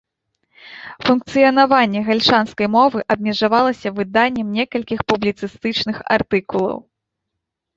Функцыянаванне гальшанскай мовы абмежавалася выданнем некалькіх публіцыстычных артыкулаў.